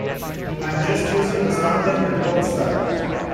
I'm just using the standard report style.